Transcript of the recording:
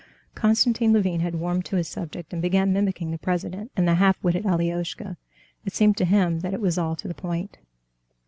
'" Konstantin Levin had warmed to his subject, and began mimicking the president and the half witted Alioshka: it seemed to him that it was all to the point.